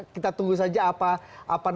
kita tunggu saja apa